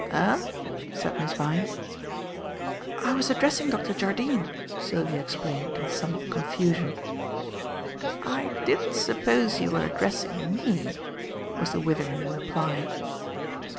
"Eh?" said Miss Vyne. "I was addressing Dr. Jardine," Sylvia explained, in some confusion. "I didn't suppose you were addressing me," was the withering reply.